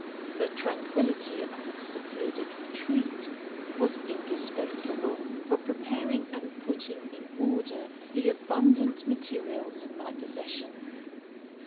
The tranquillity of a secluded retreat was indispensable for preparing and putting in order the abundant materials in my possession.